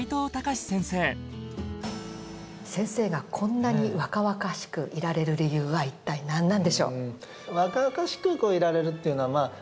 先生がこんなに若々しくいられる理由はいったい何なんでしょう？